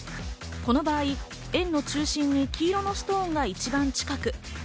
この場合、円の中心に黄色のストーンが一番近く。